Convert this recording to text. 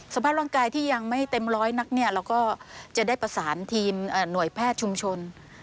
สภาพร่างกายที่ยังไม่เต็มร้อยนักเนี่ยเราก็จะได้ประสานทีมหน่วยแพทย์ชุมชน